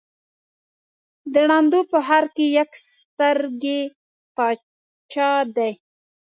د ړندو په ښآر کې يک سترگى باچا دى.